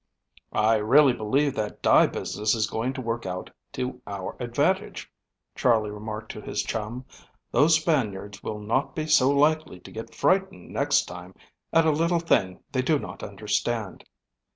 "I really believe that dye business is going to work out to our advantage," Charley remarked to his chum. "Those Spaniards will not be so likely to get frightened next time at a little thing they do not understand."